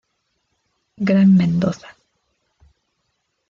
Gran Mendoza.